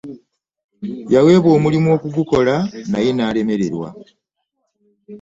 Yaweebwa omulimu okugukola naye naalemererwa.